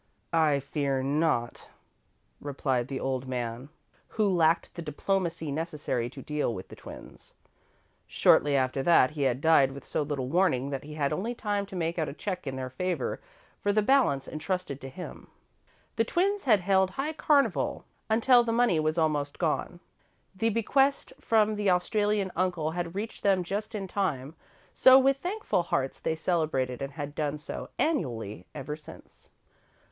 "I fear not," replied the old man, who lacked the diplomacy necessary to deal with the twins. Shortly after that he had died with so little warning that he had only time to make out a check in their favour for the balance entrusted to him. The twins had held high carnival until the money was almost gone. The bequest from the Australian uncle had reached them just in time, so, with thankful hearts, they celebrated and had done so annually ever since.